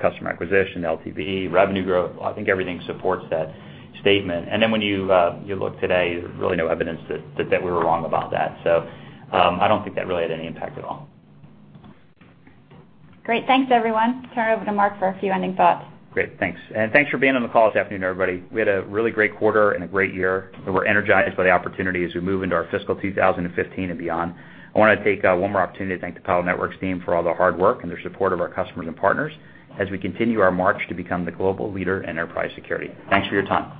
Customer acquisition, LTV, revenue growth, I think everything supports that statement. When you look today, there's really no evidence that we were wrong about that. I don't think that really had any impact at all. Great. Thanks, everyone. Turn it over to Mark for a few ending thoughts. Great. Thanks. Thanks for being on the call this afternoon, everybody. We had a really great quarter and a great year. We're energized by the opportunity as we move into our fiscal 2015 and beyond. I want to take one more opportunity to thank the Palo Alto Networks team for all their hard work and their support of our customers and partners as we continue our march to become the global leader in enterprise security. Thanks for your time.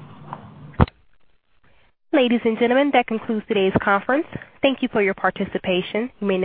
Ladies and gentlemen, that concludes today's conference. Thank you for your participation. You may now disconnect.